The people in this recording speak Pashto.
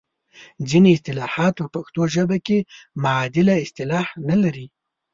ځینې اصطلاحات په پښتو ژبه کې معادله اصطلاح نه لري.